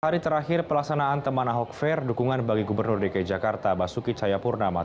hari terakhir pelaksanaan teman ahok fair dukungan bagi gubernur dki jakarta basuki cayapurnama